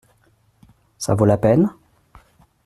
Ça vaut la peine ?